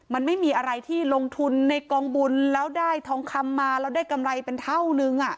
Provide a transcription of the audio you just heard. มันไม่มีอะไรที่ลงทุนในกองบุญแล้วได้ทองคำมาแล้วได้กำไรเป็นเท่านึง